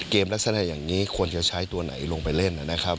ลักษณะอย่างนี้ควรจะใช้ตัวไหนลงไปเล่นนะครับ